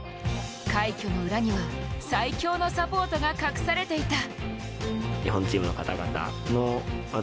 快挙の裏には最強のサポートが隠されていた。